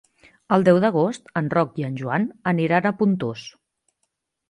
El deu d'agost en Roc i en Joan aniran a Pontós.